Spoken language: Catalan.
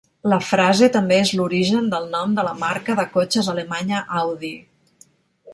La frase també és l'origen del nom de la marca de cotxes alemanya Audi.